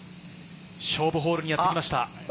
勝負ホールにやってきました。